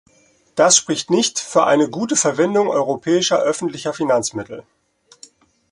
Das spricht nicht für eine gute Verwendung europäischer öffentlicher Finanzmittel.